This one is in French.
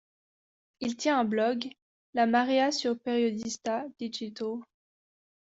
Il tient un blog, La Marea sur Periodista Digital.